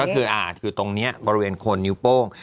ก็คือตรงนี้บริเวณโคนนิ้วโป้ง